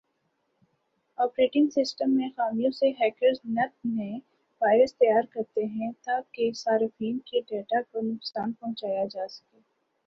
operating system میں خامیوں سے ہیکرز نت نئے وائرس تیار کرتے ہیں تاکہ صارفین کے ڈیٹا کو نقصان پہنچایا جاسکے